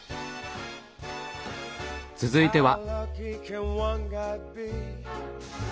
続いては。